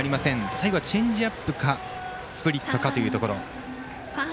最後はチェンジアップかスプリットかというところ。